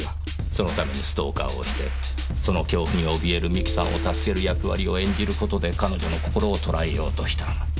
そのためにストーカーをしてその恐怖に怯える美紀さんを助ける役割を演じる事で彼女の心をとらえようとした。